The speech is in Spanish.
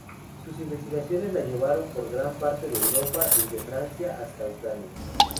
Sus investigaciones la llevaron por gran parte de Europa, desde Francia hasta Ucrania.